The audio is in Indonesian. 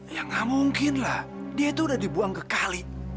ya gak mungkin lah dia itu udah dibuang kekali